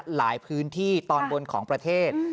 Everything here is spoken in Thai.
หลายพื้นที่ตอนบนของประเทศ